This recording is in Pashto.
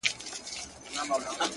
ځوان له ډيري ژړا وروسته څخه ريږدي’